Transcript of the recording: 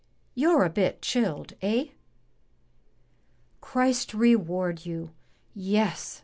"You're a bit chilled, eh?" "Christ reward you! Yes!"